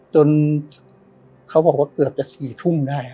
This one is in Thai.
เขาบอกว่าเกือบจะ๔ทุ่มได้